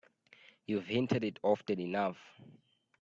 You've hinted it often enough.